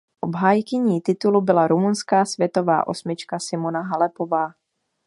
Obhájkyní titulu byla rumunská světová osmička Simona Halepová.